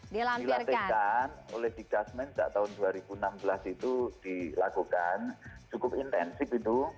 dilatihkan oleh di gasmen sejak tahun dua ribu enam belas itu dilakukan cukup intensif itu